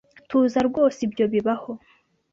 Tuza rwose ibyo bibaho